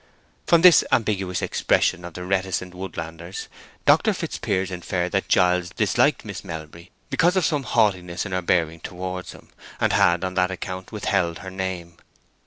From this ambiguous expression of the reticent woodlander's, Dr. Fitzpiers inferred that Giles disliked Miss Melbury because of some haughtiness in her bearing towards him, and had, on that account, withheld her name.